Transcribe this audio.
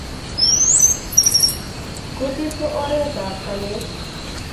kutitko oret ap ghalalet